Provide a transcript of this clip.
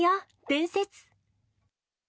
伝説。